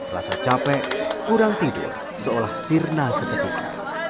rasa capek kurang tidur seolah sirna seketika